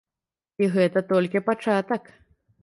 І гэта толькі пачатак.